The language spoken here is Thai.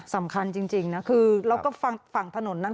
สำคัญจริงนะคือเราก็ฝั่งถนนนั้น